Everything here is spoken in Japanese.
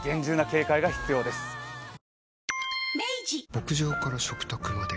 牧場から食卓まで。